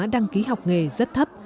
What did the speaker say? đăng ký học nghề rất thấp